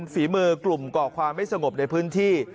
ฝีมือกลุ่มก่อความไม่สงบในพื้นที่